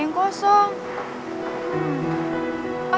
jalan lagi nda